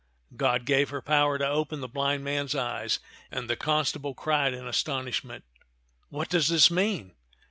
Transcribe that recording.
God gave her the power to open the blind man's eyes; and the constable cried in astonishment, "What does this mean